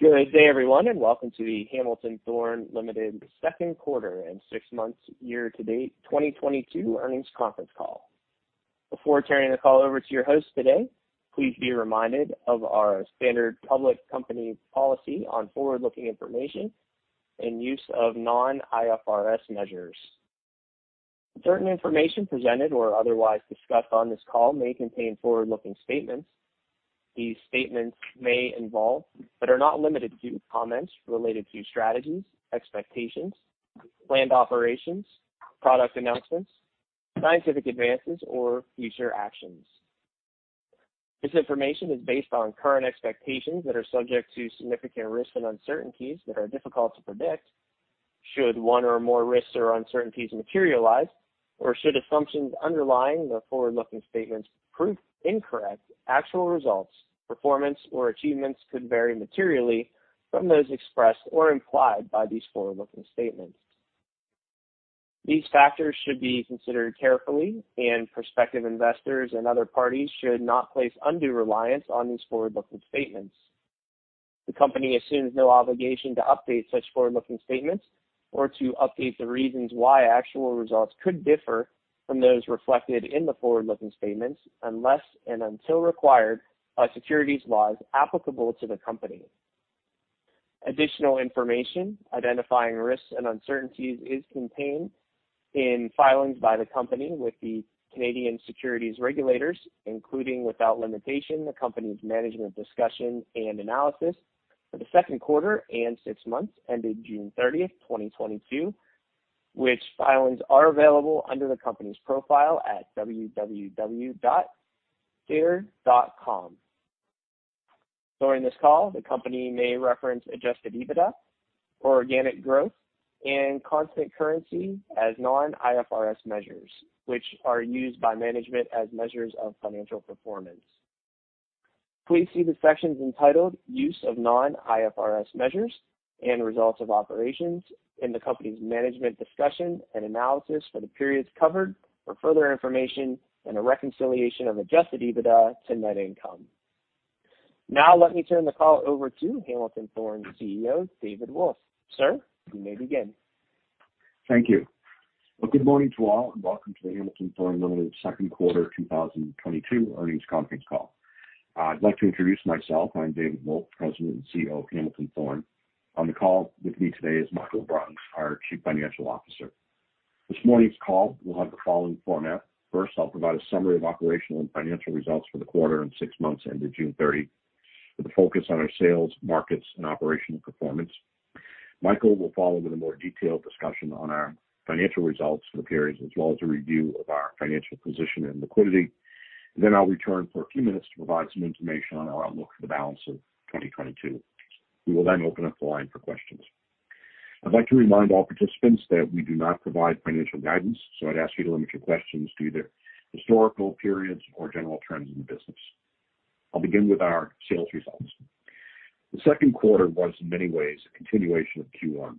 Good day everyone, and welcome to the Hamilton Thorne Ltd. Q2 and six months year-to-date 2022 earnings conference call. Before turning the call over to your host today, please be reminded of our standard public company policy on forward-looking information and use of non-IFRS measures. Certain information presented or otherwise discussed on this call may contain forward-looking statements. These statements may involve, but are not limited to, comments related to strategies, expectations, planned operations, product announcements, scientific advances, or future actions. This information is based on current expectations that are subject to significant risks and uncertainties that are difficult to predict. Should one or more risks or uncertainties materialize, or should assumptions underlying the forward-looking statements prove incorrect, actual results, performance, or achievements could vary materially from those expressed or implied by these forward-looking statements. These factors should be considered carefully, and prospective investors and other parties should not place undue reliance on these forward-looking statements. The company assumes no obligation to update such forward-looking statements or to update the reasons why actual results could differ from those reflected in the forward-looking statements unless and until required by securities laws applicable to the company. Additional information identifying risks and uncertainties is contained in filings by the company with the Canadian Securities Administrators, including without limitation the company's management discussion and analysis for the Q2 and six months ended June 30th, 2022, which filings are available under the company's profile at www.sedar.com. During this call, the company may reference adjusted EBITDA or organic growth and constant currency as non-IFRS measures, which are used by management as measures of financial performance. Please see the sections entitled Use of Non-IFRS Measures and Results of Operations in the company's Management Discussion and Analysis for the periods covered for further information and a reconciliation of adjusted EBITDA to net income. Now let me turn the call over to Hamilton Thorne CEO, David Wolf. Sir, you may begin. Thank you. Well, good morning to all, and welcome to the Hamilton Thorne Limited Q2 2022 earnings conference call. I'd like to introduce myself. I'm David Wolf, President and CEO of Hamilton Thorne. On the call with me today is Michael Bruns, our Chief Financial Officer. This morning's call will have the following format. First, I'll provide a summary of operational and financial results for the quarter and six months ended June 30th, with a focus on our sales, markets, and operational performance. Michael will follow with a more detailed discussion on our financial results for the period, as well as a review of our financial position and liquidity. I'll return for a few minutes to provide some information on our outlook for the balance of 2022. We will then open up the line for questions. I'd like to remind all participants that we do not provide financial guidance, so I'd ask you to limit your questions to either historical periods or general trends in the business. I'll begin with our sales results. The Q2 was in many ways a continuation of Q1.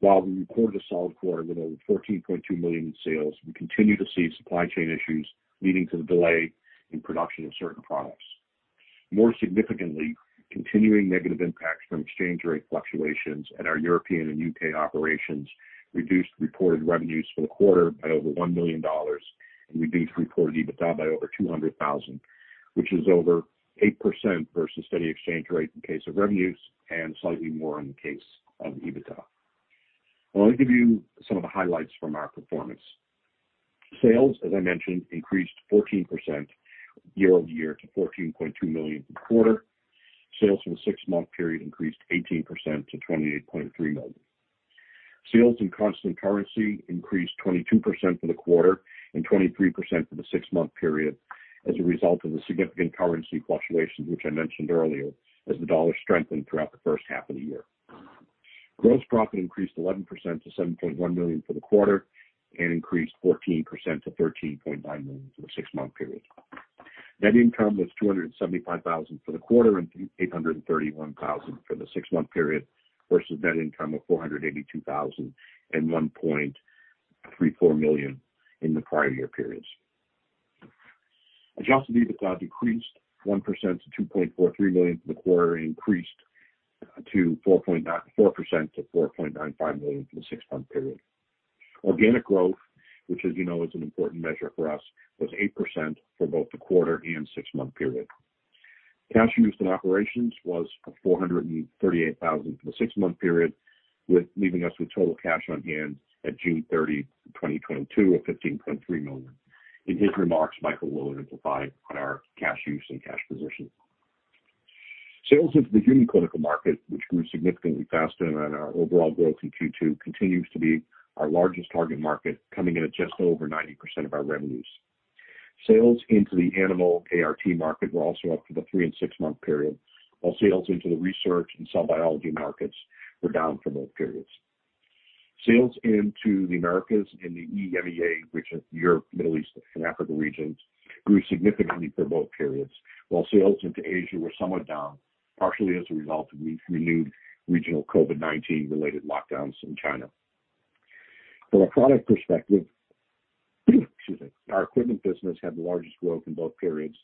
While we reported a solid quarter with over $14.2 million in sales, we continue to see supply chain issues leading to the delay in production of certain products. More significantly, continuing negative impacts from exchange rate fluctuations at our European and U.K. operations reduced reported revenues for the quarter by over $1 million and reduced reported EBITDA by over $200,000, which is over 8% versus steady exchange rate in case of revenues and slightly more in the case of EBITDA. I want to give you some of the highlights from our performance. Sales, as I mentioned, increased 14% year-over-year to $14.2 million for the quarter. Sales for the six-month period increased 18% to $28.3 million. Sales in constant currency increased 22% for the quarter and 23% for the six-month period as a result of the significant currency fluctuations, which I mentioned earlier, as the dollar strengthened throughout the first half of the year. Gross profit increased 11% to $7.1 million for the quarter and increased 14% to $13.9 million for the six-month period. Net income was $275 thousand for the quarter and $831 thousand for the six-month period versus net income of $482 thousand and $1.34 million in the prior year periods. Adjusted EBITDA decreased 1% to $2.43 million for the quarter and increased 4% to $4.95 million for the six-month period. Organic growth, which as you know is an important measure for us, was 8% for both the quarter and six-month period. Cash used in operations was $438 thousand for the six-month period, leaving us with total cash on hand at June 30, 2022 of $15.3 million. In his remarks, Michael will identify on our cash use and cash position. Sales into the clinical market, which grew significantly faster than our overall growth in Q2, continues to be our largest target market, coming in at just over 90% of our revenues. Sales into the animal ART market were also up for the three and six-month period, while sales into the research and cell biology markets were down for both periods. Sales into the Americas and the EMEA, which is Europe, Middle East, and Africa regions, grew significantly for both periods, while sales into Asia were somewhat down, partially as a result of re-renewed regional COVID-19 related lockdowns in China. From a product perspective, excuse me, our equipment business had the largest growth in both periods,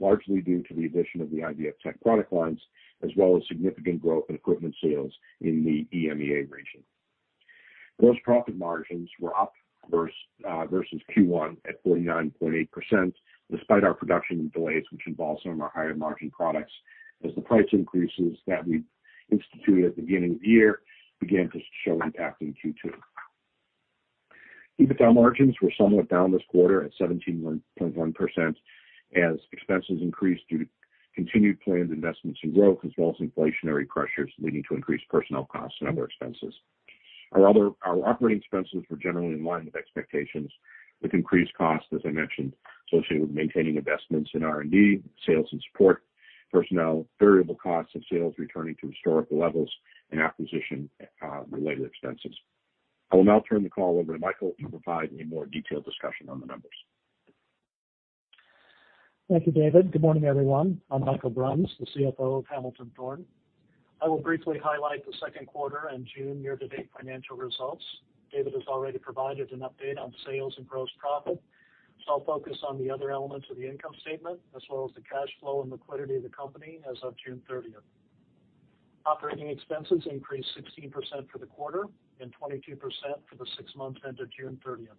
largely due to the addition of the IVFtech product lines, as well as significant growth in equipment sales in the EMEA region. Gross profit margins were up versus Q1 at 49.8% despite our production delays, which involve some of our higher margin products as the price increases that we instituted at the beginning of the year began to show impact in Q2. EBITDA margins were somewhat down this quarter at 17.1% as expenses increased due to continued planned investments in growth, as well as inflationary pressures leading to increased personnel costs and other expenses. Our operating expenses were generally in line with expectations, with increased costs, as I mentioned, associated with maintaining investments in R&D, sales and support, personnel, variable costs of sales returning to historical levels, and acquisition related expenses. I will now turn the call over to Michael to provide a more detailed discussion on the numbers. Thank you, David. Good morning, everyone. I'm Michael Bruns, the CFO of Hamilton Thorne. I will briefly highlight the Q2 and June year-to-date financial results. David has already provided an update on sales and gross profit, so I'll focus on the other elements of the income statement as well as the cash flow and liquidity of the company as of June 30th. Operating expenses increased 16% for the quarter and 22% for the six months ended June 30th.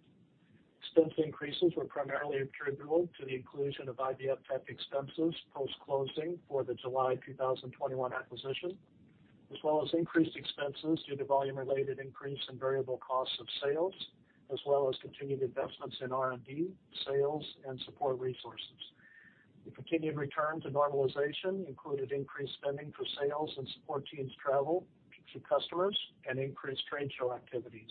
Expense increases were primarily attributable to the inclusion of IVFtech expenses post-closing for the July 2021 acquisition, as well as increased expenses due to volume-related increase in variable costs of sales, as well as continued investments in R&D, sales, and support resources. The continued return to normalization included increased spending for sales and support teams travel to customers and increased trade show activities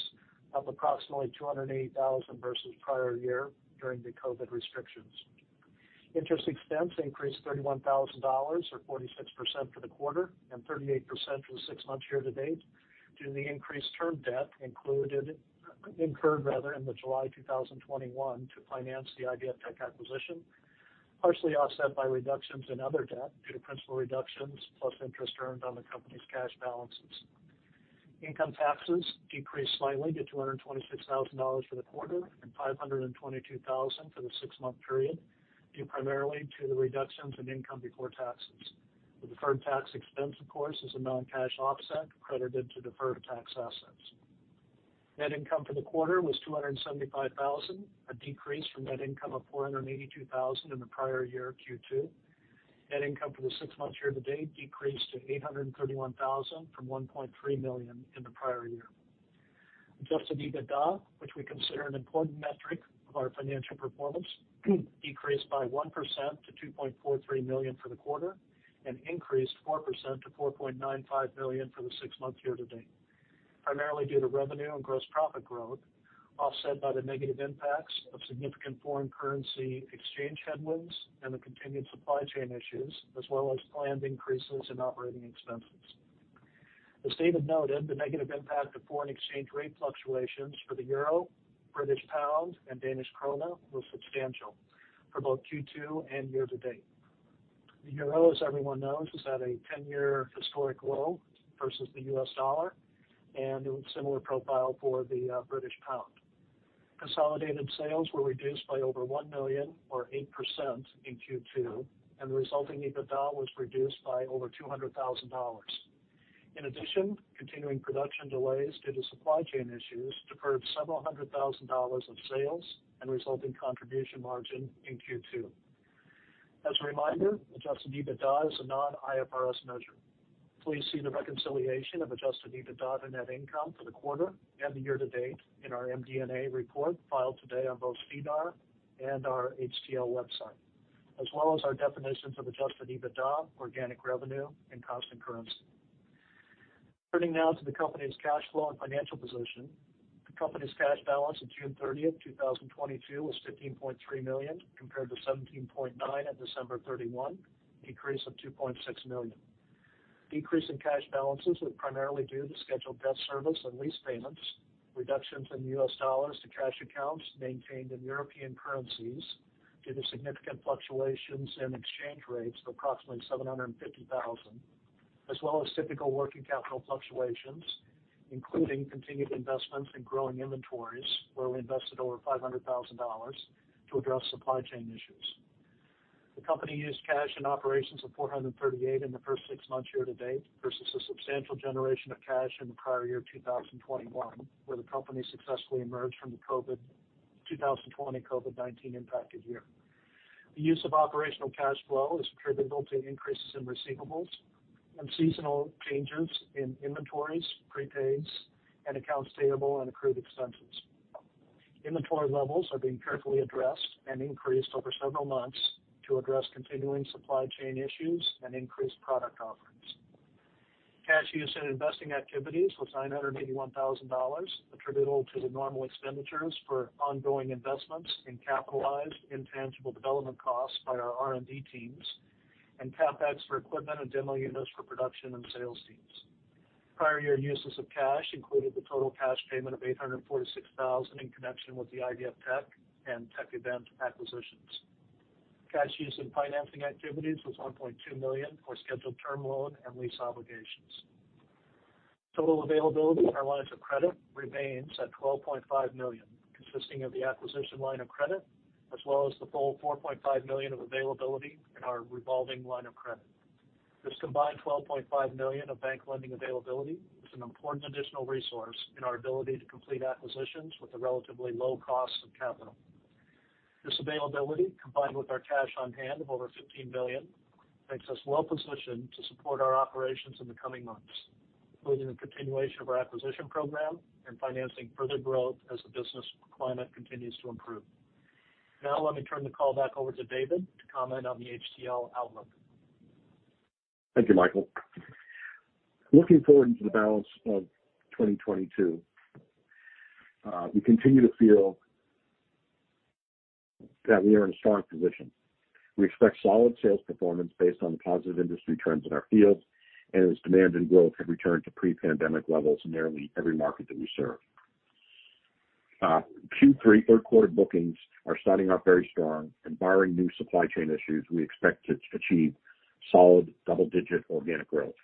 of approximately $208,000 versus prior year during the COVID restrictions. Interest expense increased $31,000 or 46% for the quarter and 38% for the six months year-to-date due to the increased term debt incurred rather in the July 2021 to finance the IVFtech acquisition, partially offset by reductions in other debt due to principal reductions plus interest earned on the company's cash balances. Income taxes decreased slightly to $226,000 for the quarter and $522,000 for the six-month period, due primarily to the reductions in income before taxes. The deferred tax expense, of course, is a non-cash offset credited to deferred tax assets. Net income for the quarter was $275,000, a decrease from net income of $482,000 in the prior year Q2. Net income for the six months year-to-date decreased to $831,000 from $1.3 million in the prior year. Adjusted EBITDA, which we consider an important metric of our financial performance, decreased by 1% to $2.43 million for the quarter and increased 4% to $4.95 million for the six months year-to-date, primarily due to revenue and gross profit growth, offset by the negative impacts of significant foreign currency exchange headwinds and the continued supply chain issues, as well as planned increases in operating expenses. As David noted, the negative impact of foreign exchange rate fluctuations for the euro, British pound, and Danish krone were substantial for both Q2 and year-to-date. The euro, as everyone knows, is at a ten-year historic low versus the US dollar, and a similar profile for the British pound. Consolidated sales were reduced by over $1 million or 8% in Q2, and the resulting EBITDA was reduced by over $200,000. In addition, continuing production delays due to supply chain issues deferred several hundred thousand dollars of sales and resulting contribution margin in Q2. As a reminder, adjusted EBITDA is a non-IFRS measure. Please see the reconciliation of adjusted EBITDA and net income for the quarter and the year to date in our MD&A report filed today on both EDGAR and our HTL website, as well as our definitions of adjusted EBITDA, organic revenue, and constant currency. Turning now to the company's cash flow and financial position. The company's cash balance on June 30th, 2022 was $15.3 million, compared to $17.9 million at December 31, a decrease of $2.6 million. Decrease in cash balances were primarily due to scheduled debt service and lease payments, reductions in US dollars to cash accounts maintained in European currencies due to significant fluctuations in exchange rates of approximately $750,000, as well as typical working capital fluctuations, including continued investments in growing inventories, where we invested over $500,000 to address supply chain issues. The company used cash in operations of $438,000 in the first six months year to date versus a substantial generation of cash in the prior year, 2021, where the company successfully emerged from the COVID-19 impacted year. The use of operational cash flow is attributable to increases in receivables and seasonal changes in inventories, prepaids, and accounts payable, and accrued expenses. Inventory levels are being carefully addressed and increased over several months to address continuing supply chain issues and increased product offerings. Cash use in investing activities was $981,000, attributable to the normal expenditures for ongoing investments in capitalized intangible development costs by our R&D teams and CapEx for equipment and demo units for production and sales teams. Prior year uses of cash included the total cash payment of $846,000 in connection with the IVFtech and Tek-Event acquisitions. Cash use in financing activities was $1.2 million for scheduled term loan and lease obligations. Total availability in our lines of credit remains at $12.5 million, consisting of the acquisition line of credit as well as the full $4.5 million of availability in our revolving line of credit. This combined $12.5 million of bank lending availability is an important additional resource in our ability to complete acquisitions with a relatively low cost of capital. This availability, combined with our cash on hand of over $15 billion, makes us well positioned to support our operations in the coming months, including the continuation of our acquisition program and financing further growth as the business climate continues to improve. Now let me turn the call back over to David to comment on the HTL outlook. Thank you, Michael. Looking forward into the balance of 2022, we continue to feel that we are in a strong position. We expect solid sales performance based on the positive industry trends in our fields and as demand and growth have returned to pre-pandemic levels in nearly every market that we serve. Q3, Q3 bookings are starting off very strong and barring new supply chain issues, we expect to achieve solid double-digit organic growth.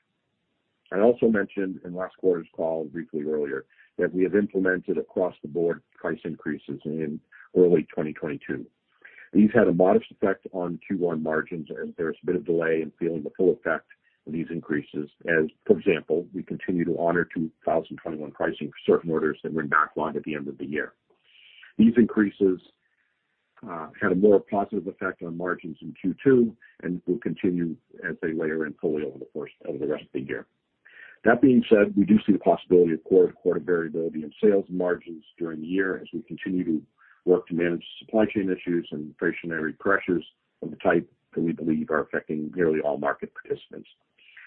I also mentioned in last quarter's call briefly earlier that we have implemented across the board price increases in early 2022. These had a modest effect on Q1 margins, and there's a bit of delay in feeling the full effect of these increases as, for example, we continue to honor 2021 pricing for certain orders that were in backlog at the end of the year. These increases had a more positive effect on margins in Q2 and will continue as they layer in fully over the rest of the year. That being said, we do see the possibility of quarter-to-quarter variability in sales margins during the year as we continue to work to manage supply chain issues and inflationary pressures of the type that we believe are affecting nearly all market participants,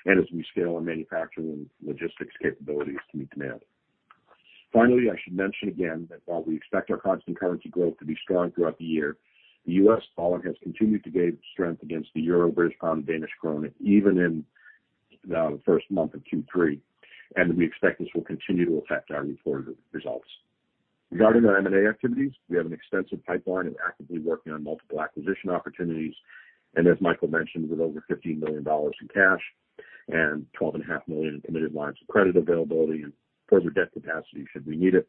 and as we scale our manufacturing and logistics capabilities to meet demand. Finally, I should mention again that while we expect our constant currency growth to be strong throughout the year, the US dollar has continued to gain strength against the euro, British pound, and Danish krone even in the first month of Q3. We expect this will continue to affect our reported results. Regarding our M&A activities, we have an extensive pipeline and actively working on multiple acquisition opportunities. As Michael mentioned, with over $15 million in cash and $12.5 million in committed lines of credit availability and further debt capacity should we need it,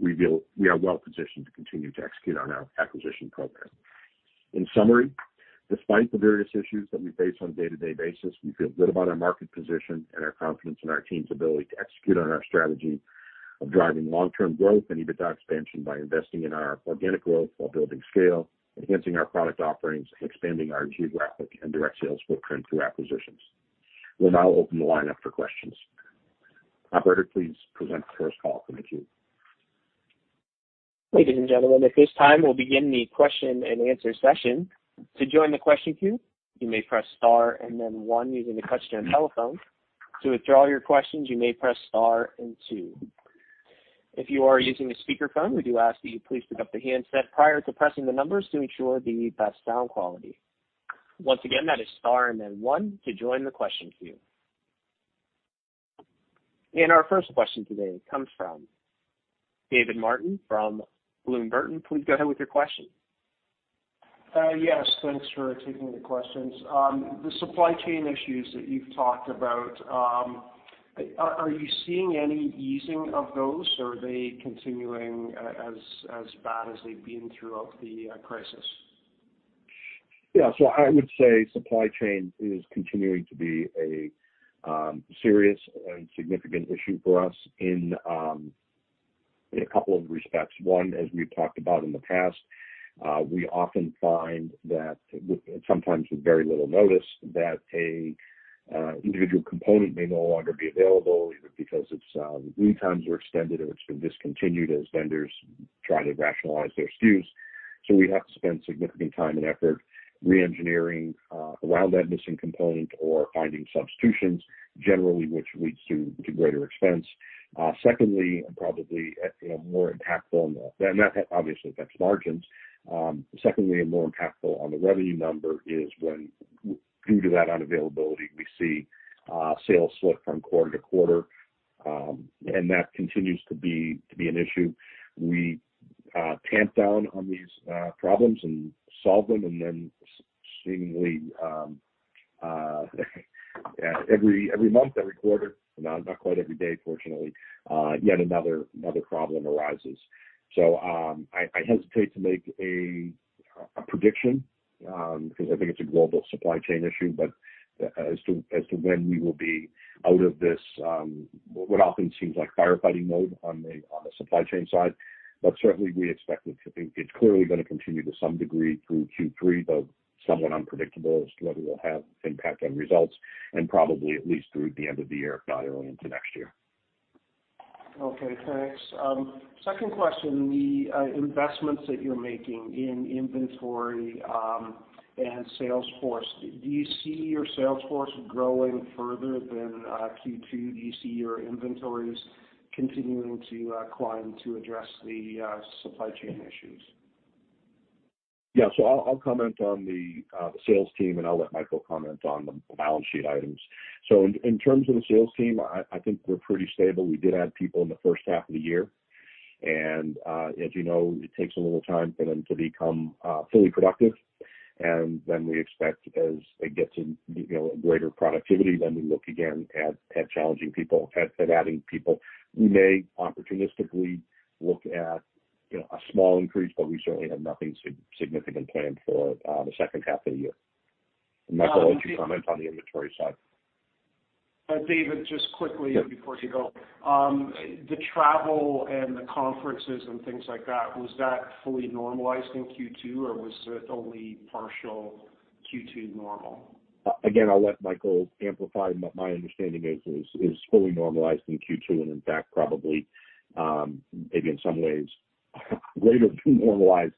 we feel we are well positioned to continue to execute on our acquisition program. In summary, despite the various issues that we face on a day-to-day basis, we feel good about our market position and our confidence in our team's ability to execute on our strategy of driving long-term growth and EBITDA expansion by investing in our organic growth while building scale, enhancing our product offerings, and expanding our geographic and direct sales footprint through acquisitions. We'll now open the line up for questions. Operator, please present the first call from the queue. Ladies and gentlemen, at this time, we'll begin the question-and-answer session. To join the question queue, you may press star and then one using the touch tone on your telephone. To withdraw your questions, you may press star and two. If you are using a speakerphone, we do ask that you please pick up the handset prior to pressing the numbers to ensure the best sound quality. Once again, that is star and then one to join the question queue. Our first question today comes from David Martin from Bloom Burton. Please go ahead with your question. Yes, thanks for taking the questions. The supply chain issues that you've talked about, are you seeing any easing of those? Or are they continuing as bad as they've been throughout the crisis? Yeah. I would say supply chain is continuing to be a serious and significant issue for us in a couple of respects. One, as we've talked about in the past, we often find that sometimes with very little notice that an individual component may no longer be available, either because its lead times were extended or it's been discontinued as vendors try to rationalize their SKUs. We have to spend significant time and effort reengineering around that missing component or finding substitutions generally which leads to greater expense. Secondly, and probably, you know, more impactful and that obviously affects margins. Secondly and more impactful on the revenue number is when due to that unavailability, we see sales slip from quarter-to-quarter, and that continues to be an issue. We tamp down on these problems and solve them, and then seemingly every month, every quarter, no, not quite every day, fortunately, yet another problem arises. I hesitate to make a prediction because I think it's a global supply chain issue, but as to when we will be out of this what often seems like firefighting mode on the supply chain side. Certainly, we expect it to be. It's clearly gonna continue to some degree through Q3, though somewhat unpredictable as to whether it will have impact on results and probably at least through the end of the year, if not early into next year. Okay, thanks. Second question, the investments that you're making in inventory and sales force, do you see your sales force growing further than Q2? Do you see your inventories continuing to climb to address the supply chain issues? Yeah. I'll comment on the sales team, and I'll let Michael comment on the balance sheet items. In terms of the sales team, I think we're pretty stable. We did add people in the first half of the year. As you know, it takes a little time for them to become fully productive. We expect as they get to, you know, greater productivity, then we look again at challenging people, at adding people. We may opportunistically look at, you know, a small increase, but we certainly have nothing significant planned for the second half of the year. Michael, would you comment on the inventory side? David, just quickly before you go. The travel and the conferences and things like that, was that fully normalized in Q2, or was it only partial Q2 normal? Again, I'll let Michael amplify. My understanding is fully normalized in Q2, and in fact, probably, maybe in some ways, greater than normalized,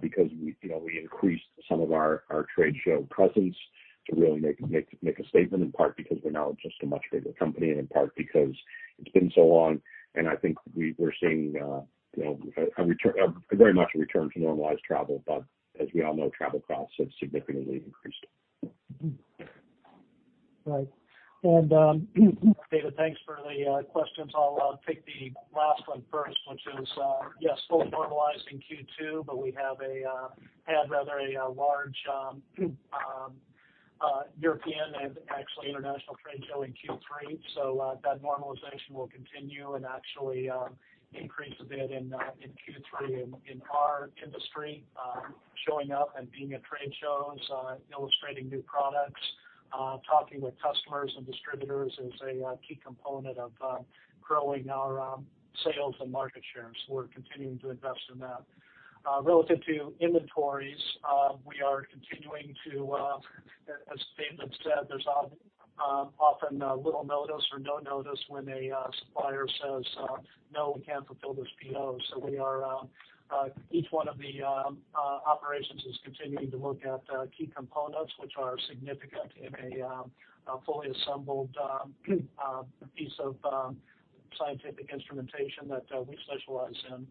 because we, you know, we increased some of our trade show presence to really make a statement, in part because we're now just a much bigger company and in part because it's been so long and I think we're seeing, you know, a return to normalized travel. As we all know, travel costs have significantly increased. Mm-hmm. Right. David, thanks for the questions. I'll take the last one first, which is, yes, fully normalized in Q2, but we had rather a large European and actually international trade show in Q3. That normalization will continue and actually increase a bit in Q3. In our industry, showing up and being at trade shows, illustrating new products, talking with customers and distributors is a key component of growing our sales and market share. We're continuing to invest in that. Relative to inventories, we are continuing to, as David said, there's often little notice or no notice when a supplier says, "No, we can't fulfill this PO." We are, each one of the operations is continuing to look at key components which are significant in a fully assembled piece of scientific instrumentation that we specialize in.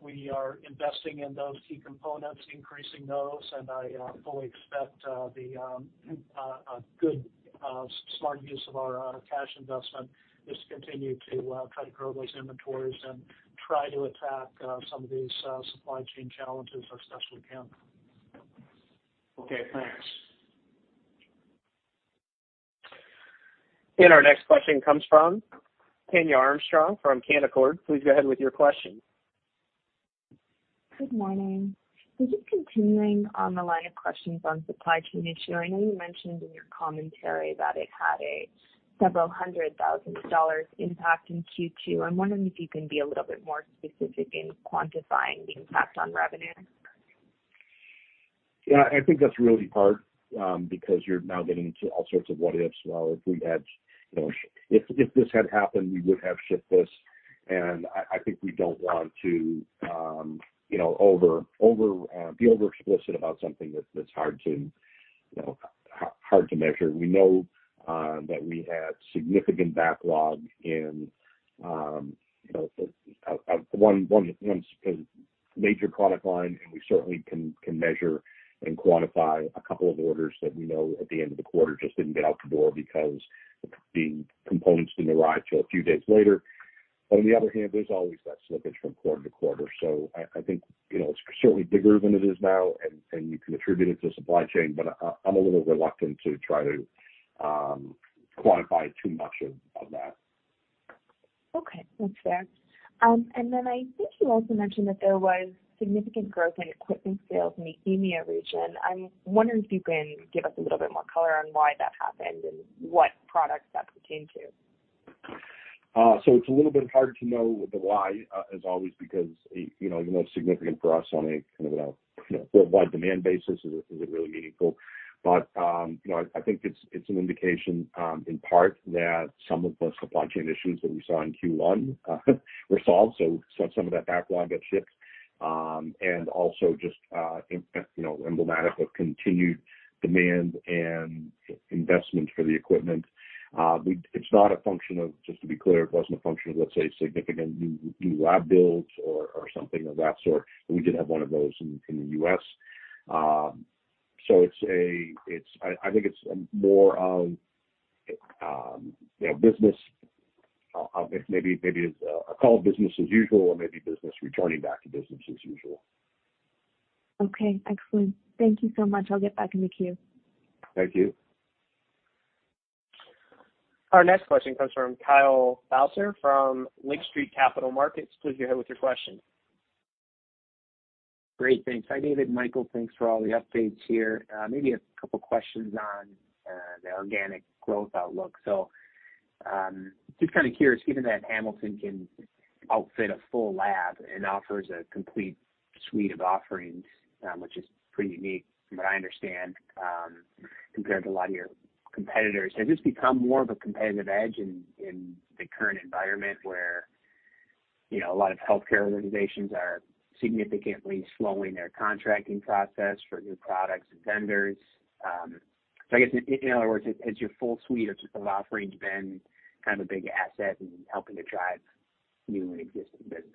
We are investing in those key components, increasing those, and I fully expect the a good smart use of our cash investment is to continue to try to grow those inventories and try to attack some of these supply chain challenges as best we can. Okay, thanks. Our next question comes from Tania Armstrong from Canaccord. Please go ahead with your question. Good morning. Just continuing on the line of questions on supply chain issue. I'm wondering if you can be a little bit more specific in quantifying the impact on revenue. Yeah, I think that's really hard, because you're now getting into all sorts of what-ifs. Well, if we had, you know, if this had happened, we would have shipped this. I think we don't want to, you know, overly explicit about something that's hard to, you know, hard to measure. We know that we had significant backlog in, you know, one major product line, and we certainly can measure and quantify a couple of orders that we know at the end of the quarter just didn't get out the door because the components didn't arrive till a few days later. On the other hand, there's always that slippage from quarter-to-quarter. I think, you know, it's certainly bigger than it is now and you can attribute it to supply chain, but I'm a little reluctant to try to quantify too much of that. Okay. That's fair. I think you also mentioned that there was significant growth in equipment sales in the EMEA region. I'm wondering if you can give us a little bit more color on why that happened and what products that pertained to? It's a little bit hard to know the why, as always, because, you know, even though it's significant for us on a kind of a, you know, worldwide demand basis is really meaningful. You know, I think it's an indication in part that some of the supply chain issues that we saw in Q1 were solved, so some of that backlog got shipped. Also just, you know, emblematic of continued demand and investment for the equipment. It's not a function of, just to be clear, it wasn't a function of, let's say, significant new lab builds or something of that sort. We did have one of those in the U.S. I think it's more of, you know, business of maybe it's. I call it business as usual or maybe business returning back to business as usual. Okay, excellent. Thank you so much. I'll get back in the queue. Thank you. Our next question comes from Kyle Bauser from Lake Street Capital Markets. Please go ahead with your question. Great, thanks. Hi, David, Michael, thanks for all the updates here. Maybe a couple questions on the organic growth outlook. Just kinda curious, given that Hamilton can outfit a full lab and offers a complete suite of offerings, which is pretty unique from what I understand, compared to a lot of your competitors. Has this become more of a competitive edge in the current environment where, you know, a lot of healthcare organizations are significantly slowing their contracting process for new products and vendors? I guess, in other words, has your full suite of offerings been kind of a big asset in helping to drive new and existing business?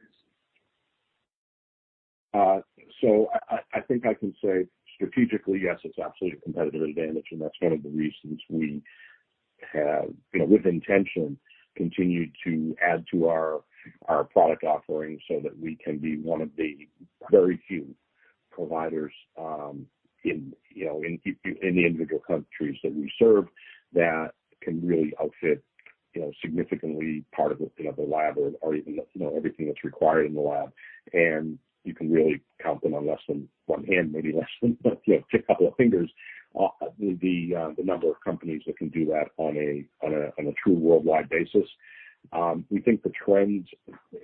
I think I can say strategically, yes, it's absolutely a competitive advantage, and that's one of the reasons we have, you know, with intention, continued to add to our product offering so that we can be one of the very few providers in the individual countries that we serve that can really outfit, you know, significantly part of the lab or even everything that's required in the lab. You can really count them on less than one hand, maybe less than a couple of fingers the number of companies that can do that on a true worldwide basis. We think the trends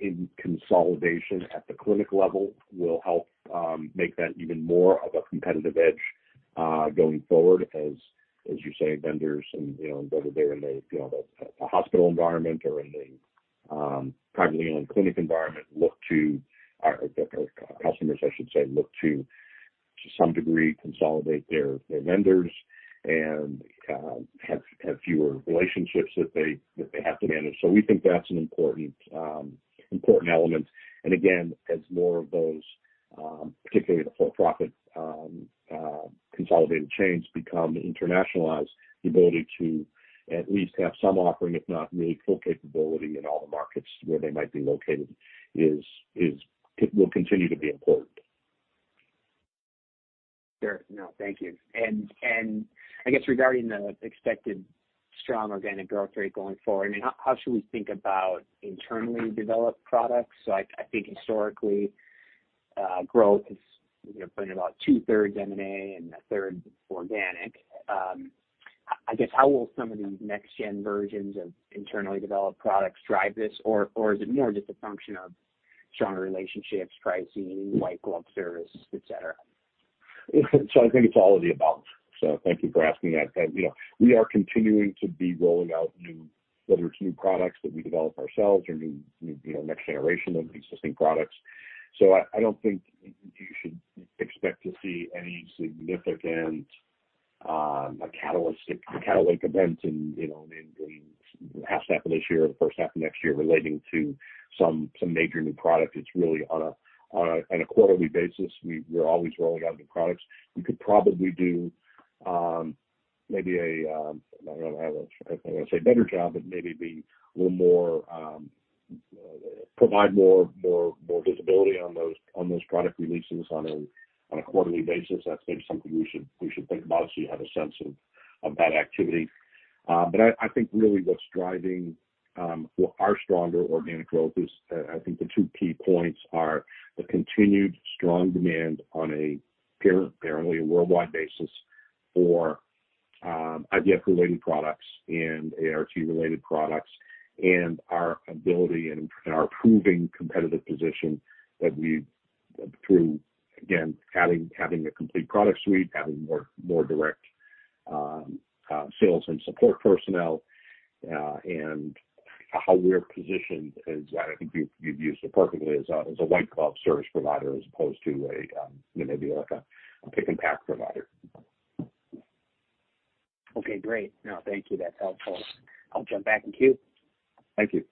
in consolidation at the clinic level will help make that even more of a competitive edge going forward. As you say, vendors and whether they're in a hospital environment or in a privately owned clinic environment, customers, I should say, look to some degree consolidate their vendors and have fewer relationships that they have to manage. We think that's an important element. Again, as more of those, particularly the for-profit consolidated chains become internationalized, the ability to at least have some offering, if not really full capability in all the markets where they might be located will continue to be important. Sure. No, thank you. I guess regarding the expected strong organic growth rate going forward, I mean, how should we think about internally developed products? I think historically, growth is, you know, been about 2/3 M&A and a third organic. I guess how will some of these next gen versions of internally developed products drive this? Or is it more just a function of stronger relationships, pricing, white glove service, et cetera? I think it's all of the above. Thank you for asking that. We are continuing to roll out whether it's new products that we develop ourselves or next generation of existing products. I don't think you should expect to see any significant catalytic event in the second half this year or the first half of next year relating to some major new product. It's really on a quarterly basis. We're always rolling out new products. We could probably do maybe a better job, but I don't want to say a better job, but maybe be a little more provide more visibility on those product releases on a quarterly basis. That's maybe something we should think about so you have a sense of that activity. But I think really what's driving our stronger organic growth is I think the two key points are the continued strong demand on a fairly worldwide basis for IVF-related products and ART-related products, and our ability and our improving competitive position that we've through again having a complete product suite, having more direct sales and support personnel, and how we're positioned as I think you've used it perfectly as a white-glove service provider as opposed to maybe like a pick-and-pack provider. Okay, great. No, thank you. That's helpful. I'll jump back in queue. Thank you.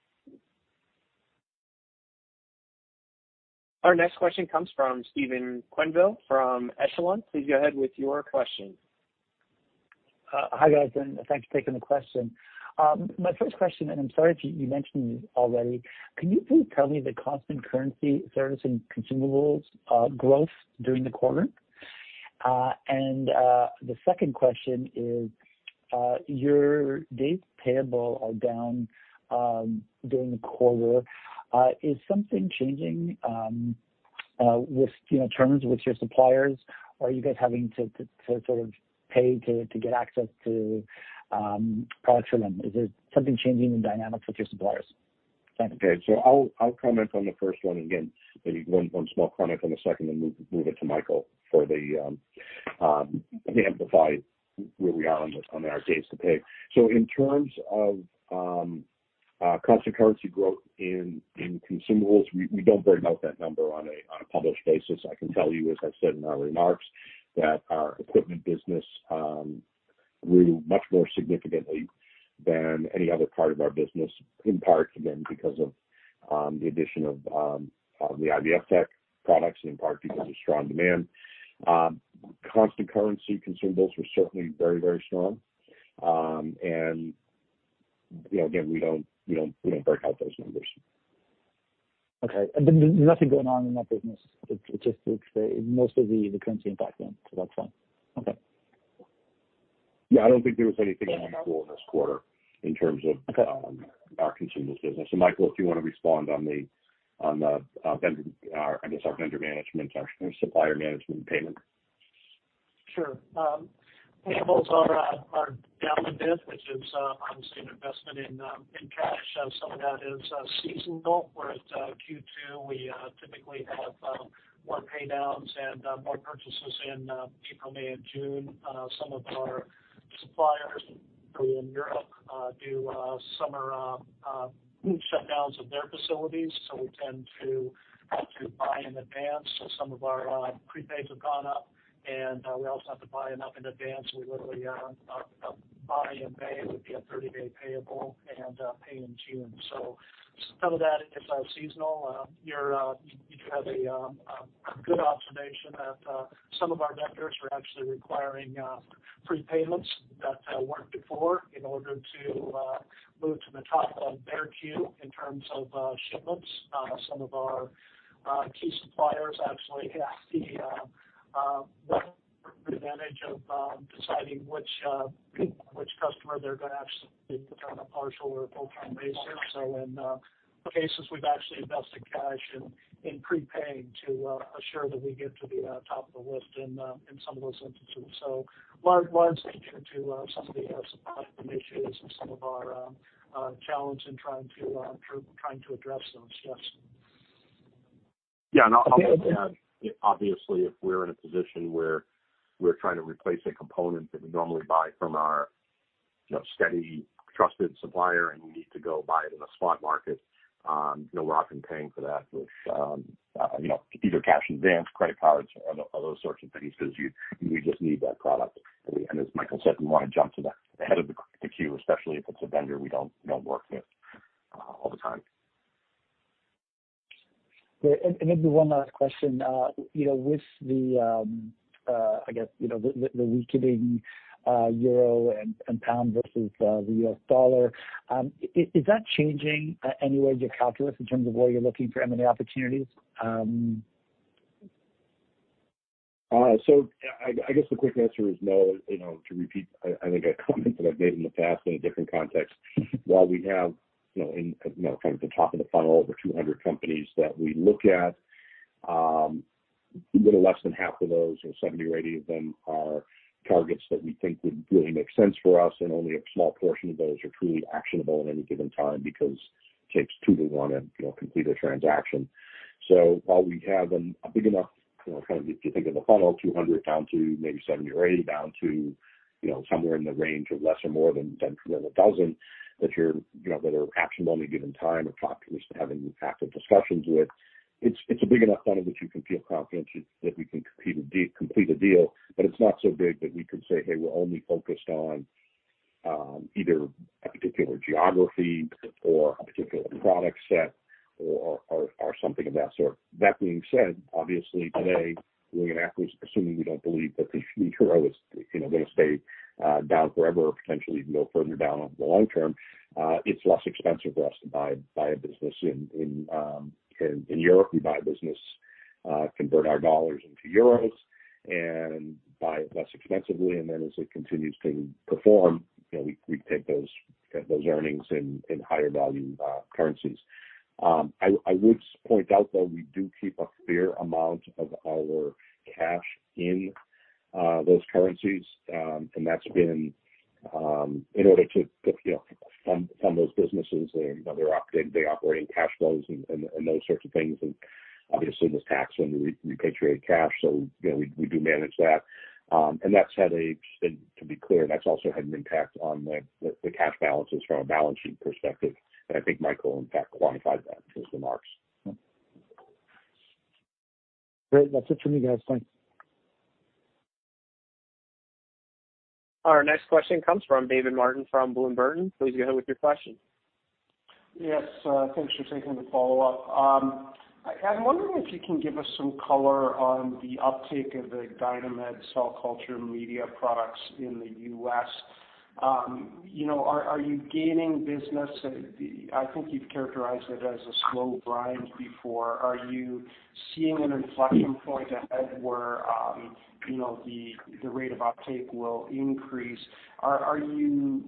Our next question comes from Stefan Quenville from Echelon. Please go ahead with your question. Hi, guys, and thanks for taking the question. My first question, and I'm sorry if you mentioned this already, can you please tell me the constant currency service and consumables growth during the quarter? The second question is, your days payable are down during the quarter. Is something changing with, you know, terms with your suppliers? Are you guys having to sort of pay to get access to products from them? Is there something changing in dynamics with your suppliers? Thanks. Okay. I'll comment on the first one again, one small comment on the second, then move it to Michael for the to amplify where we are on our days to pay. In terms of constant currency growth in consumables, we don't break out that number on a published basis. I can tell you, as I said in our remarks, that our equipment business grew much more significantly than any other part of our business, in part again, because of the addition of the IVFtech products, in part because of strong demand. Constant currency consumables were certainly very, very strong. You know, again, we don't break out those numbers. Okay. There's nothing going on in that business. It's just, it's most of the currency impact then. That's fine. Okay. Yeah, I don't think there was anything unusual this quarter in terms of. Okay. Our consumables business. Michael, if you want to respond on the vendor, I guess, our vendor management or supplier management payment. Sure. Payables are down a bit, which is obviously an investment in cash. Some of that is seasonal, where at Q2, we typically have more pay downs and more purchases in April, May and June. Some of our suppliers in Europe do summer shutdowns of their facilities, so we tend to buy in advance. Some of our prepays have gone up. We also have to buy enough in advance. We literally buy in May, it would be a 30-day payable and pay in June. Some of that is seasonal. You have a good observation that some of our vendors are actually requiring prepayments that weren't before in order to move to the top of their queue in terms of shipments. Some of our key suppliers actually have the advantage of deciding which customer they're gonna actually put on a partial or a full-time basis. In cases we've actually invested cash in prepaying to assure that we get to the top of the list in some of those instances. That leads into some of the supply chain issues and some of our challenge in trying to address those, yes. Yeah. I'll add, obviously, if we're in a position where we're trying to replace a component that we normally buy from our, you know, steady, trusted supplier, and we need to go buy it in a spot market, you know, we're often paying for that with, you know, either cash in advance, credit cards, or other sorts of things because you just need that product. As Michael said, we wanna jump to the head of the queue, especially if it's a vendor we don't work with all the time. Yeah. Maybe one last question. You know, with the, I guess, you know, the weakening euro and pound versus the US dollar, is that changing any way your calculus in terms of where you're looking for M&A opportunities? I guess the quick answer is no. You know, to repeat, I think a comment that I've made in the past in a different context, while we have, you know, in, you know, kind of the top of the funnel over 200 companies that we look at, a little less than half of those or 70 or 80 of them are targets that we think would really make sense for us, and only a small portion of those are truly actionable at any given time because it takes two to wanna, you know, complete a transaction. While we have a big enough, you know, kind of if you think of the funnel, 200 down to maybe 70 or 80, down to, you know, somewhere in the range of more or less than really 12 that you're, you know, that are actionable at any given time or talking to us to having active discussions with, it's a big enough funnel that you can feel confident that we can complete a deal. It's not so big that we can say, "Hey, we're only focused on either a particular geography or a particular product set or something of that sort." That being said, obviously today we're gonna act, assuming we don't believe that the euro is, you know, gonna stay down forever or potentially even go further down over the long term. It's less expensive for us to buy a business in Europe. We buy a business, convert our dollars into euros and buy it less expensively. Then as it continues to perform, you know, we take those earnings in higher value currencies. I would point out though, we do keep a fair amount of our cash in those currencies. That's been in order to, you know, fund those businesses and day-to-day operating cash flows and those sorts of things. Obviously there's tax when we repatriate cash, so, you know, we do manage that. To be clear, that's also had an impact on the cash balances from a balance sheet perspective. I think Michael, in fact, quantified that in his remarks. Great. That's it for me, guys. Thanks. Our next question comes from David Martin from Bloom Burton. Please go ahead with your question. Yes. Thanks for taking the follow-up. I'm wondering if you can give us some color on the uptake of the Dynamed cell culture media products in the U.S. You know, are you gaining business? I think you've characterized it as a slow grind before. Are you seeing an inflection point ahead where you know, the rate of uptake will increase? Are you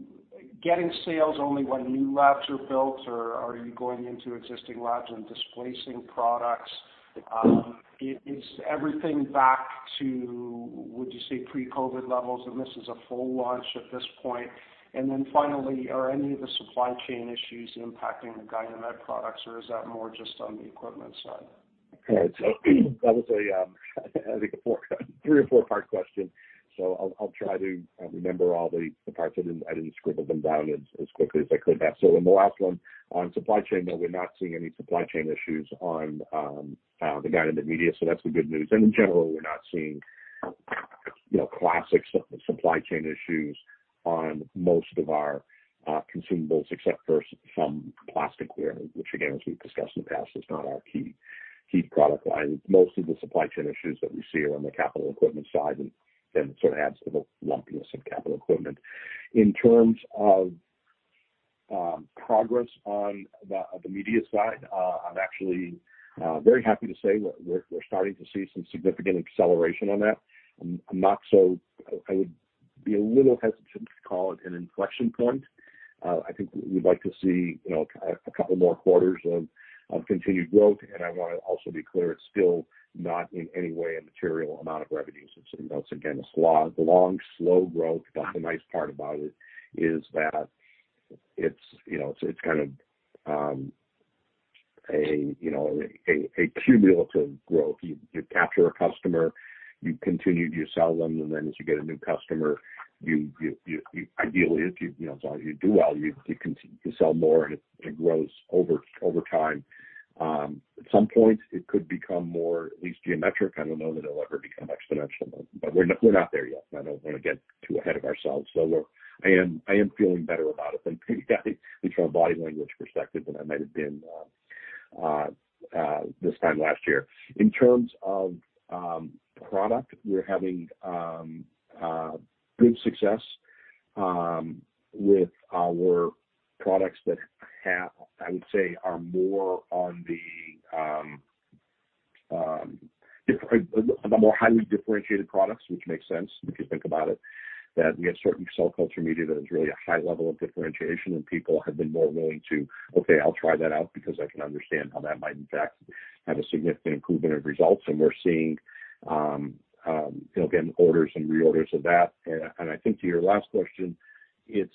getting sales only when new labs are built, or are you going into existing labs and displacing products? Is everything back to, would you say, pre-COVID levels, and this is a full launch at this point? Then finally, are any of the supply chain issues impacting the Dynamed products, or is that more just on the equipment side? Okay. That was a three or four-part question, so I'll try to remember all the parts. I didn't scribble them down as quickly as I could have. On the last one, on supply chain, no, we're not seeing any supply chain issues on the Gynemed media, so that's the good news. In general, we're not seeing you know classic supply chain issues on most of our consumables except for some plasticware, which again, as we've discussed in the past, is not our key product line. Most of the supply chain issues that we see are on the capital equipment side and sort of adds to the lumpiness of capital equipment. In terms of progress on the media side, I'm actually very happy to say we're starting to see some significant acceleration on that. I would be a little hesitant to call it an inflection point. I think we'd like to see you know a couple more quarters of continued growth. I wanna also be clear, it's still not in any way a material amount of revenue. Once again, a slow, long, slow growth. The nice part about it is that it's you know kind of you know a cumulative growth. You capture a customer, you continue to sell them, and then as you get a new customer, you ideally, if you know, as long as you do well, you sell more and it grows over time. At some point it could become more at least geometric. I don't know that it'll ever become exponential, but we're not there yet. I don't wanna get too ahead of ourselves. I am feeling better about it than from a body language perspective than I might have been this time last year. In terms of product, we're having good success with our products that have, I would say, are more on the more highly differentiated products, which makes sense if you think about it, that we have certain cell culture media that is really a high level of differentiation and people have been more willing to, "Okay, I'll try that out because I can understand how that might in fact have a significant improvement in results." We're seeing, you know, again, orders and reorders of that. I think to your last question, it's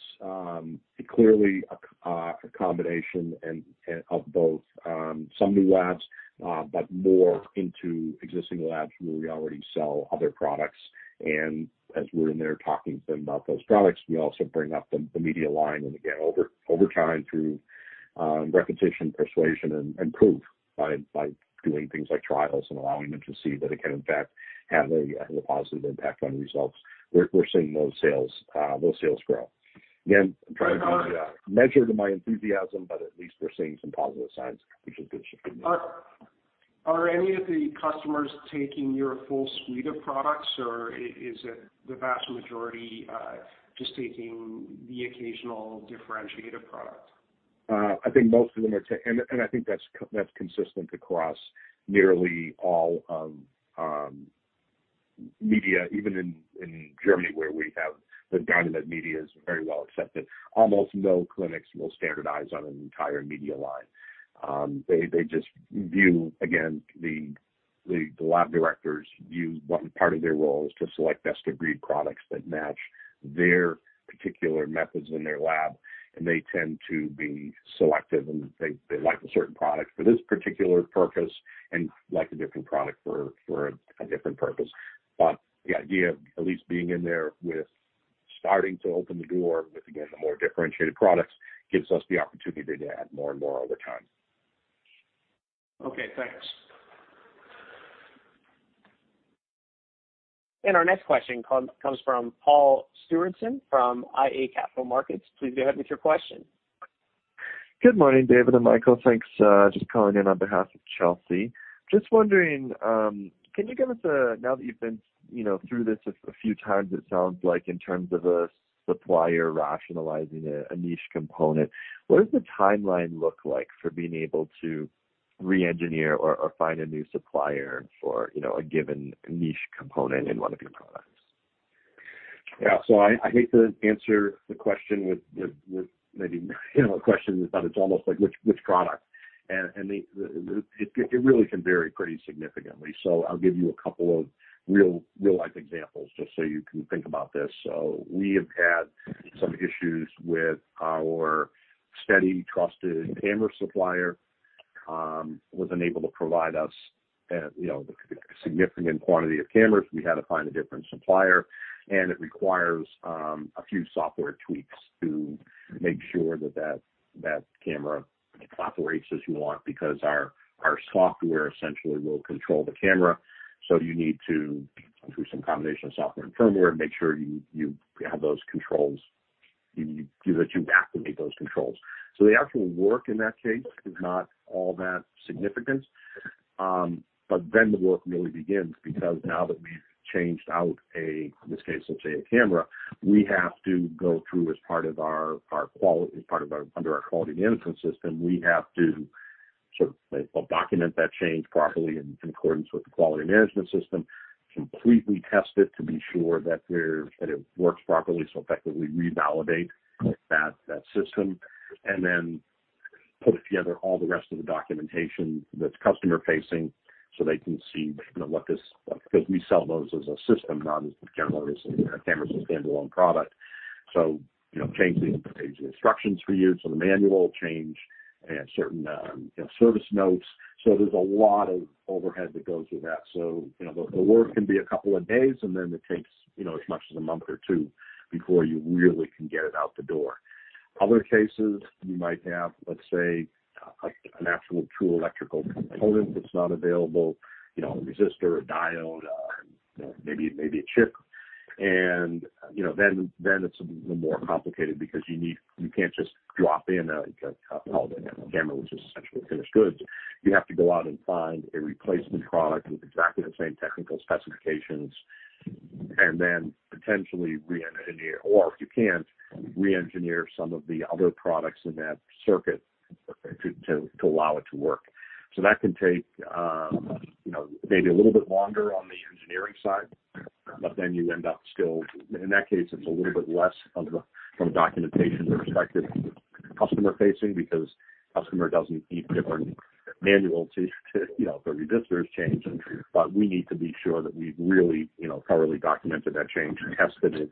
clearly a combination and of both, some new labs, but more into existing labs where we already sell other products. As we're in there talking to them about those products, we also bring up the media line. Again, over time through repetition, persuasion and proof by doing things like trials and allowing them to see that it can in fact have a positive impact on results. We're seeing those sales grow. Again, I'm trying to measure my enthusiasm, but at least we're seeing some positive signs, which is good. Are any of the customers taking your full suite of products or is it the vast majority, just taking the occasional differentiated product? I think most of them are. I think that's consistent across nearly all of media. Even in Germany where we have the Dynamite media is very well accepted. Almost no clinics will standardize on an entire media line. They just view again the lab directors view one part of their role is to select best of breed products that match their particular methods in their lab. They tend to be selective and they like a certain product for this particular purpose and like a different product for a different purpose. The idea of at least being in there with starting to open the door with again the more differentiated products gives us the opportunity to add more and more over time. Okay, thanks. Our next question comes from Paul Stewardson from iA Capital Markets. Please go ahead with your question. Good morning, David and Michael. Thanks. Just calling in on behalf of Chelsea. Just wondering, now that you've been, you know, through this a few times, it sounds like in terms of a supplier rationalizing a niche component, what does the timeline look like for being able to re-engineer or find a new supplier for, you know, a given niche component in one of your products? Yeah. I hate to answer the question with maybe, you know, a question, but it's almost like which product? And it really can vary pretty significantly. I'll give you a couple of real life examples just so you can think about this. We have had some issues with our steady trusted camera supplier was unable to provide us you know the significant quantity of cameras. We had to find a different supplier and it requires a few software tweaks to make sure that camera operates as you want because our software essentially will control the camera. You need to through some combination of software and firmware make sure you have those controls that you activate those controls. The actual work in that case is not all that significant. The work really begins because now that we've changed out a, in this case, let's say a camera, we have to go through as part of our quality, under our quality management system, we have to document that change properly in accordance with the quality management system, completely test it to be sure that it works properly, so effectively revalidate that system, and then put together all the rest of the documentation that's customer facing so they can see, you know, what this 'cause we sell those as a system, not as the camera, as a camera's a standalone product. You know, change the instructions we use. The manual change and certain, you know, service notes. There's a lot of overhead that goes with that. You know, the work can be a couple of days, and then it takes, you know, as much as a month or two before you really can get it out the door. Other cases you might have, let's say an actual true electrical component that's not available, you know, a resistor, a diode, you know, maybe a chip. You know, then it's a little more complicated because you can't just drop in a camera which is essentially finished goods. You have to go out and find a replacement product with exactly the same technical specifications and then potentially re-engineer or if you can't, re-engineer some of the other products in that circuit to allow it to work. That can take, you know, maybe a little bit longer on the engineering side, but then you end up still. In that case, it's a little bit less from a documentation perspective, customer facing, because customer doesn't need different manual to, you know, if the resistors change. We need to be sure that we've really, you know, thoroughly documented that change and tested it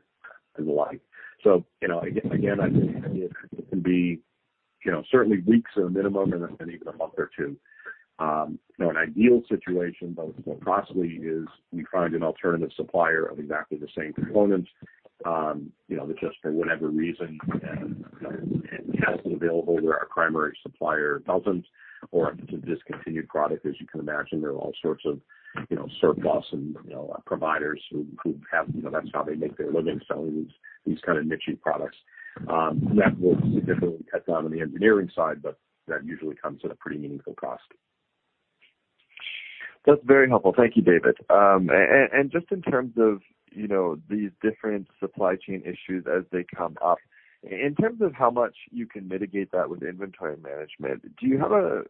and the like. You know, again, I think it can be, you know, certainly weeks at a minimum, and even a month or two. You know, an ideal situation, both possibly is we find an alternative supplier of exactly the same components, you know, that just for whatever reason and has it available where our primary supplier doesn't, or it's a discontinued product. As you can imagine, there are all sorts of, you know, surplus and, you know, providers who have, you know, that's how they make their living selling these kind of niche products. That will significantly cut down on the engineering side, but that usually comes at a pretty meaningful cost. That's very helpful. Thank you, David. And just in terms of, you know, these different supply chain issues as they come up, in terms of how much you can mitigate that with inventory management, do you have a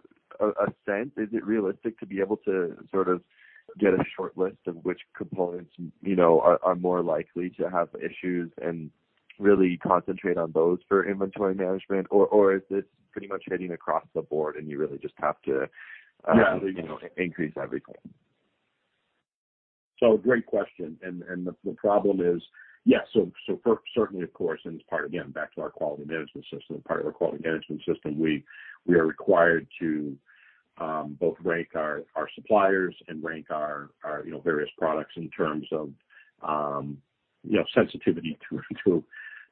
sense? Is it realistic to be able to sort of get a short list of which components, you know, are more likely to have issues and really concentrate on those for inventory management? Or is this pretty much hitting across the board and you really just have to Yeah. You know, increase everything? Great question. The problem is, particularly, of course, and it's part, again, back to our quality management system. Part of our quality management system, we are required to both rank our suppliers and rank our various products in terms of, you know, sensitivity to, you know.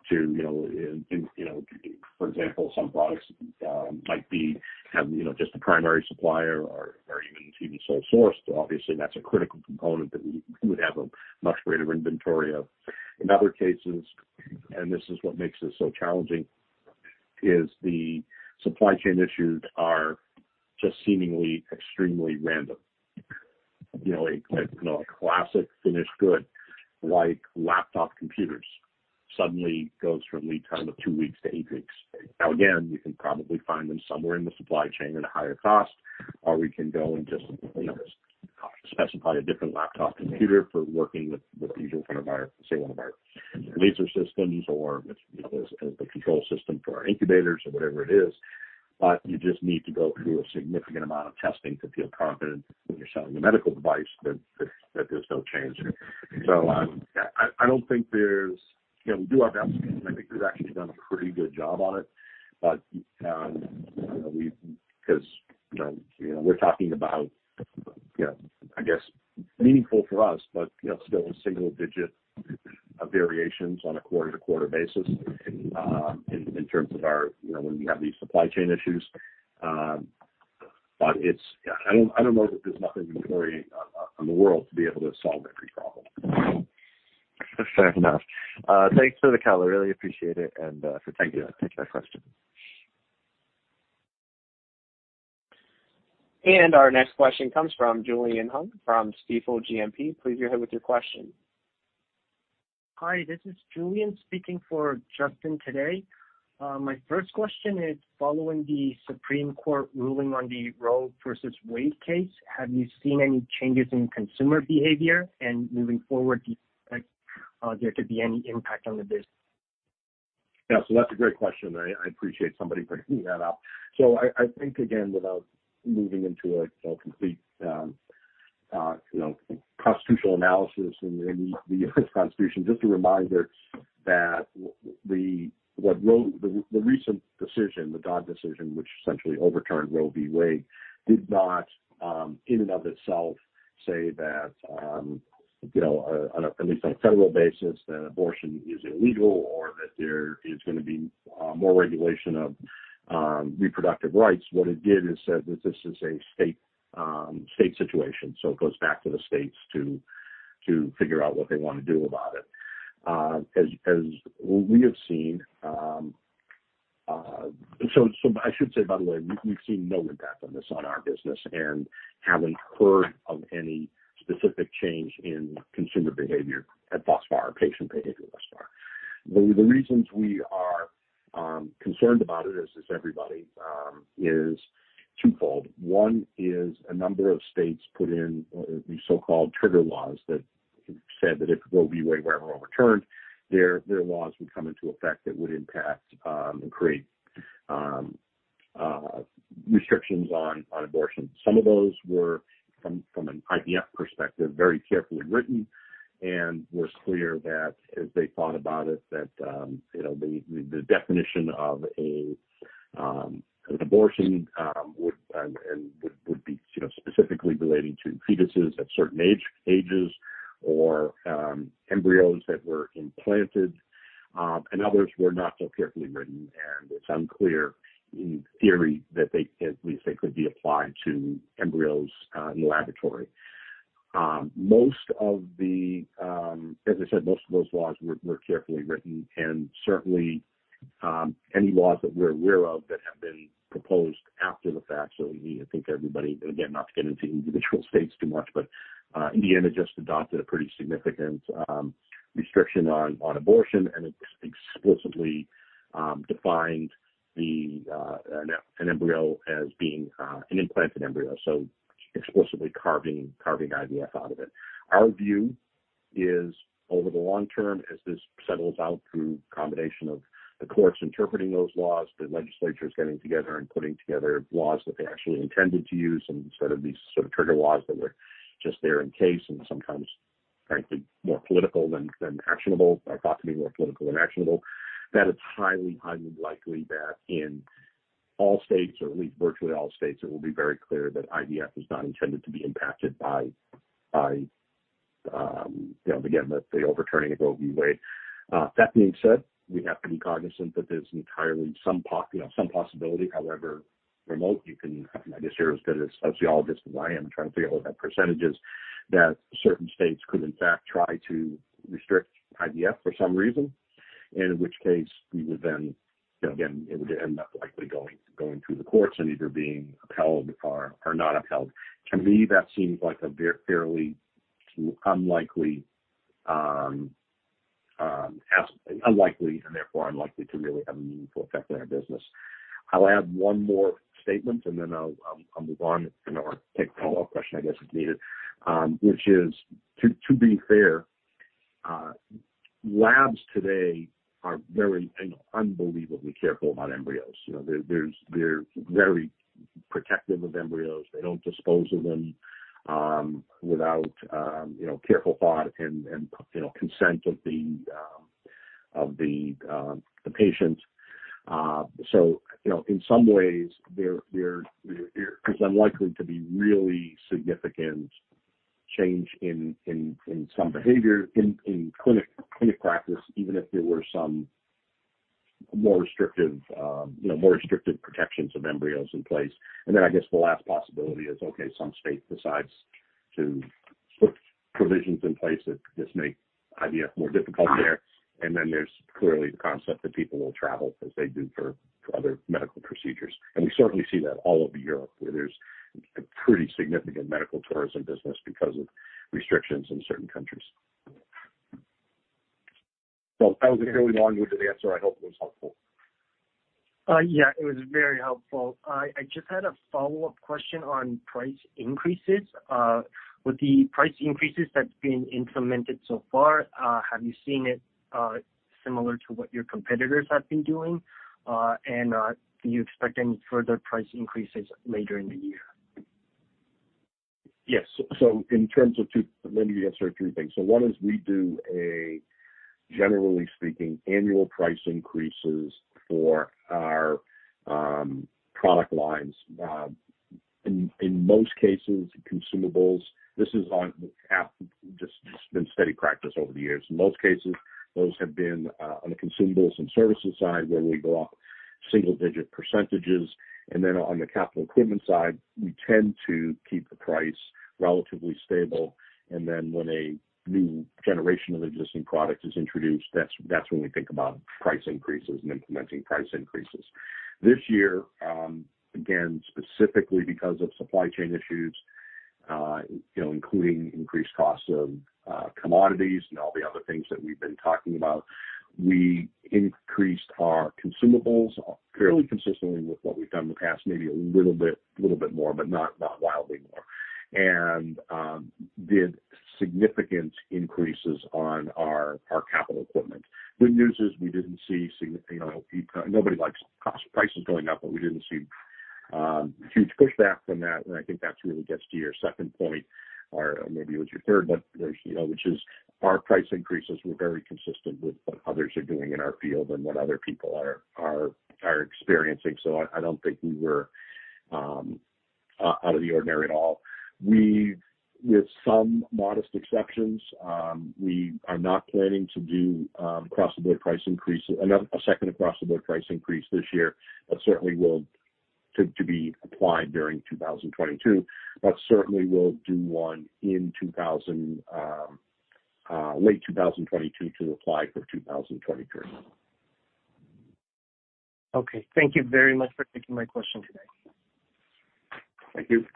For example, some products might have, you know, just a primary supplier or even sole sourced. Obviously, that's a critical component that we would have a much greater inventory of. In other cases, this is what makes this so challenging, is the supply chain issues are just seemingly extremely random. You know, a classic finished good like laptop computers suddenly goes from lead time of two weeks to eight weeks. Now, again, we can probably find them somewhere in the supply chain at a higher cost, or we can go and just, you know, specify a different laptop computer for working with one of our, say one of our laser systems or, you know, as the control system for our incubators or whatever it is. You just need to go through a significant amount of testing to feel confident when you are selling a medical device that there is no change. I do not think there is. You know, we do our best, and I think we have actually done a pretty good job on it. You know, we Because, you know, we're talking about, you know, I guess meaningful for us, but, you know, still single-digit variations on a quarter-to-quarter basis, in terms of our, you know, when we have these supply chain issues. It's, yeah, I don't know that there's nothing we can worry about the world to be able to solve every problem. Fair enough. Thanks for the color. Really appreciate it and for taking- Thank you. Taking my question. Our next question comes from Julian Hung from Stifel GMP. Please go ahead with your question. Hi, this is Julian speaking for Justin today. My first question is following the Supreme Court ruling on the Roe v. Wade case, have you seen any changes in consumer behavior? Moving forward, do you expect there to be any impact on the business? Yeah. That's a great question. I appreciate somebody bringing that up. I think, again, without moving into a complete, you know, constitutional analysis and the U.S. Constitution, just a reminder that the recent decision, the Dobbs decision, which essentially overturned Roe v. Wade, did not, in and of itself say that, you know, on at least a federal basis, that abortion is illegal or that there is gonna be more regulation of reproductive rights. What it did is said that this is a state situation, so it goes back to the states to figure out what they wanna do about it. As we have seen. I should say, by the way, we've seen no impact on this, on our business and haven't heard of any specific change in consumer behavior. As for patient behavior thus far. The reasons we are concerned about it as everybody is twofold. One is a number of states put in these so-called trigger laws that said that if Roe v. Wade were ever overturned, their laws would come into effect that would impact and create restrictions on abortion. Some of those were from an IVF perspective, very carefully written, and it was clear that as they thought about it, you know, the definition of an abortion would be, you know, specifically relating to fetuses at certain ages or embryos that were implanted. Others were not so carefully written, and it's unclear in theory that they at least could be applied to embryos in the laboratory. As I said, most of those laws were carefully written and certainly any laws that we're aware of that have been proposed after the fact. I think everybody, and again, not to get into individual states too much, but Indiana just adopted a pretty significant restriction on abortion, and it explicitly defined an embryo as being an implanted embryo, so explicitly carving IVF out of it. Our view is over the long term, as this settles out through combination of the courts interpreting those laws, the legislatures getting together and putting together laws that they actually intended to use instead of these sort of trigger laws that were just there in case and sometimes frankly more political than actionable, that it's highly unlikely that in all states, or at least virtually all states, it will be very clear that IVF is not intended to be impacted by, you know, again, the overturning of Roe v. Wade. That being said, we have to be cognizant that there's some possibility, however remote, you can. I'm not as serious as the analyst as I am trying to figure out what that percentage is that certain states could in fact try to restrict IVF for some reason. In which case we would then, you know, again, it would end up likely going through the courts and either being upheld or not upheld. To me, that seems like a very, fairly unlikely and therefore unlikely to really have a meaningful effect on our business. I'll add one more statement and then I'll move on and or take the follow-up question, I guess, if needed. Which is to be fair, labs today are very, you know, unbelievably careful about embryos. You know, they're very protective of embryos. They don't dispose of them without you know careful thought and you know consent of the patient. You know, in some ways there is unlikely to be really significant change in some behavior in clinic practice, even if there were some more restrictive you know more restrictive protections of embryos in place. I guess the last possibility is, okay, some state decides to put provisions in place that just make IVF more difficult there. There's clearly the concept that people will travel as they do for other medical procedures. We certainly see that all over Europe, where there's a pretty significant medical tourism business because of restrictions in certain countries. That was a fairly long-winded answer. I hope it was helpful. Yeah, it was very helpful. I just had a follow-up question on price increases. With the price increases that's been implemented so far, have you seen it similar to what your competitors have been doing? Do you expect any further price increases later in the year? Yes. Let me answer three things. One is we do, generally speaking, annual price increases for our product lines. In most cases, consumables. This has just been steady practice over the years. In most cases, those have been on the consumables and services side where we go up single-digit percentages. On the capital equipment side, we tend to keep the price relatively stable. When a new generation of existing product is introduced, that's when we think about price increases and implementing price increases. This year, again, specifically because of supply chain issues, you know, including increased costs of commodities and all the other things that we've been talking about, we increased our consumables fairly consistently with what we've done in the past, maybe a little bit more, but not wildly more, and did significant increases on our capital equipment. Good news is we didn't see. You know, nobody likes cost prices going up, but we didn't see huge pushback from that. I think that really gets to your second point or maybe it was your third, but there's, you know, which is our price increases were very consistent with what others are doing in our field and what other people are experiencing. I don't think we were out of the ordinary at all. With some modest exceptions, we are not planning to do across the board price increases, another, a second across the board price increase this year. That certainly will to be applied during 2022, but certainly we'll do one in late 2022 to apply for 2023. Okay. Thank you very much for taking my question today. Thank you.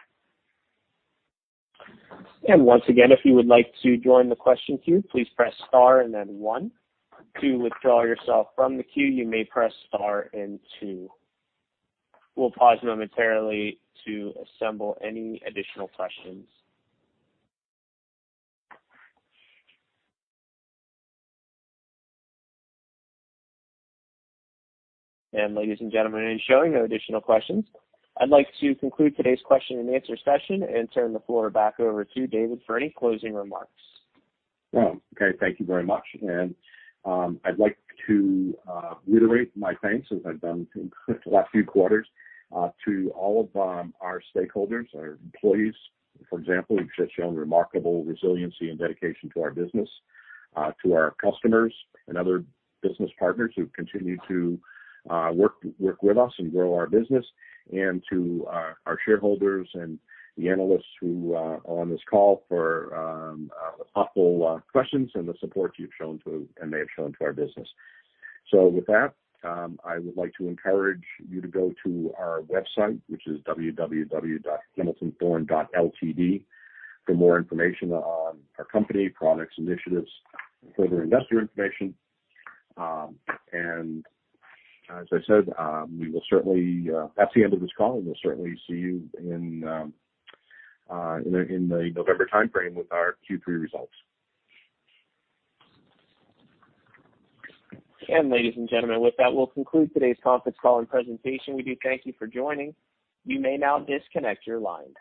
Once again, if you would like to join the question queue, please press star and then one. To withdraw yourself from the queue, you may press star and two. We'll pause momentarily to assemble any additional questions. Ladies and gentlemen, it is showing no additional questions. I'd like to conclude today's question and answer session and turn the floor back over to David for any closing remarks. Well, okay. Thank you very much. I'd like to reiterate my thanks, as I've done the last few quarters, to all of our stakeholders, our employees, for example, who have shown remarkable resiliency and dedication to our business, to our customers and other business partners who've continued to work with us and grow our business, and to our shareholders and the analysts who are on this call for thoughtful questions and the support you've shown to and they have shown to our business. With that, I would like to encourage you to go to our website, which is www.hamiltonthorne.ltd for more information on our company, products, initiatives, further investor information. As I said, that's the end of this call, and we'll certainly see you in the November timeframe with our Q3 results. Ladies and gentlemen, with that, we'll conclude today's conference call and presentation. We do thank you for joining. You may now disconnect your lines.